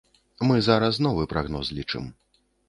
Мы зараз новы прагноз лічым.